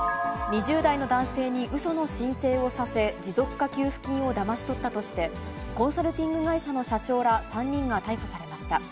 ２０代の男性にうその申請をさせ、持続化給付金をだまし取ったとして、コンサルティング会社の社長ら３人が逮捕されました。